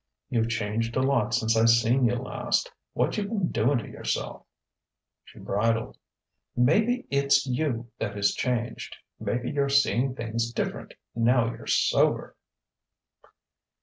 "You've changed a lot since I seen you last. What you been doing to yourself?" She bridled.... "Maybe it's you that is changed. Maybe you're seeing things different, now you're sober."